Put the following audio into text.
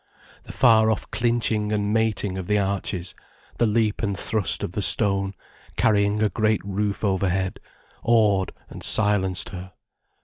The far off clinching and mating of the arches, the leap and thrust of the stone, carrying a great roof overhead, awed and silenced her.